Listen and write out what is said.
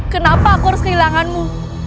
kenapa aku harus kehilanganmu